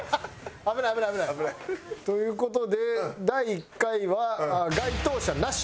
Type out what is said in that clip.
危ない危ない危ない！という事で第１回は該当者なしという事で。